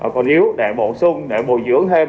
còn yếu để bổ sung để bồi dưỡng thêm